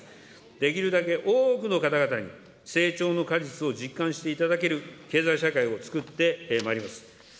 できるだけ多くの方々に、成長の果実を実感していただける経済社会をつくってまいります。